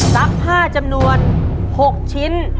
ซักผ้าจำนวน๖ชิ้น